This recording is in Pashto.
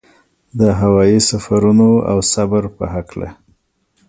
د هوايي سفرونو او صبر په هکله.